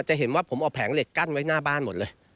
จะเห็นว่าผมเอาแผงเหล็กกั้นไว้หน้าบ้านหมดเลย